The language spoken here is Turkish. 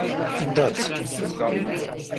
İmdat.